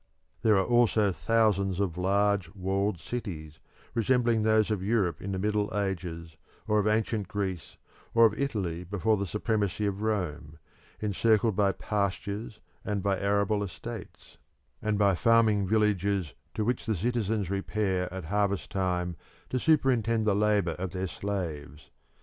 There are also thousands of large walled cities resembling those of Europe in the Middle Ages, or of ancient Greece, or of Italy before the supremacy of Rome, encircled by pastures and by arable estates, and by farming villages to which the citizens repair at harvest time to superintend the labour of their slaves.